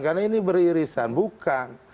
karena ini beririsan bukan